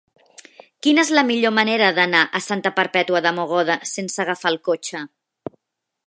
Quina és la millor manera d'anar a Santa Perpètua de Mogoda sense agafar el cotxe?